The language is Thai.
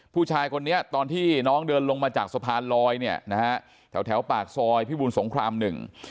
ผู้ชายคนนี้ตอนที่น้องเดินลงมาจากสะพานลอยเนี่ยนะฮะแถวแถวปากซอยพิบูลสงครามหนึ่ง